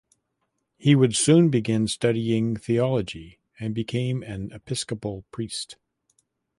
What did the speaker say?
He would soon begin studying theology and became an Episcopal priest.